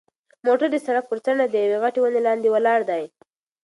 موټر د سړک پر څنډه د یوې غټې ونې لاندې ولاړ دی.